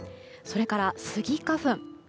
それから、スギ花粉。